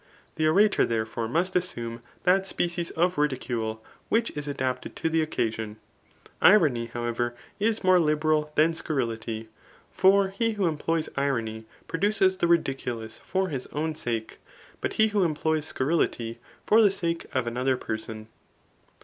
The orator, therefore, must assume that species of ridicule, which is adapted to the occaaon. Irony, however, is more liberal than scurrility. For he who employs irony, produces the ridiculous for his own sake; but he who employs scurrility, for the sake of another person.